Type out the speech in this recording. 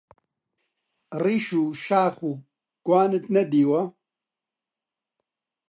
ڕیش و شاخ و گوانت نەدیوە؟!